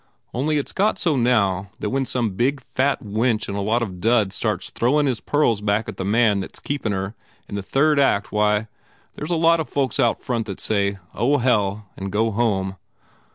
Only it s got so now that when some big, fat wench in a lot of duds starts throwin his pearls back at the man that s keepin her in the third act why, there s a lot of folks out front that say, Oh, hell, and go home.